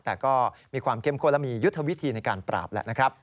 แต่ก็มีความเข้มข้นและมียุทธวิธีในการปราบแหละนะครับ